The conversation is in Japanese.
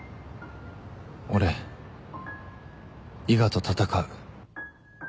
俺伊賀と闘う。